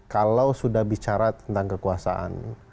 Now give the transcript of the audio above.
kalau sudah bicara tentang kekuasaan